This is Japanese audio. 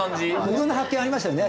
色んな発見ありましたよね